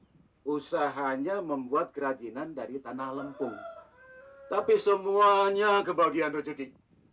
di kasongan usahanya membuat kerajinan dari tanah lempung tapi semuanya kebagian rezeki